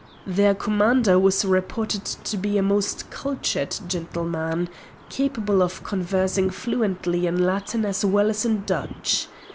Their commander was reported to be a most cultured gentleman, capable of conversing fluently in Latin as well as in Dutch.